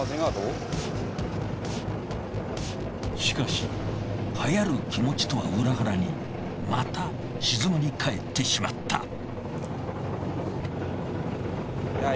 しかしはやる気持ちとは裏腹にまた静まり返ってしまった。